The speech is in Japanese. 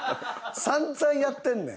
散々やってんねん。